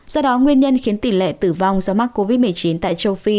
do đó nguyên nhân khiến tỷ lệ tử vong do mắc covid một mươi chín tại châu phi